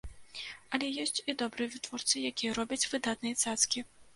Але ёсць і добрыя вытворцы, якія робяць выдатныя цацкі.